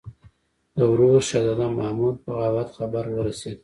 د ورور شهزاده محمود د بغاوت خبر ورسېدی.